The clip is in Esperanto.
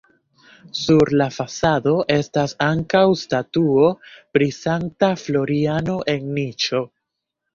Sur la fasado estas ankaŭ statuo pri Sankta Floriano en niĉo.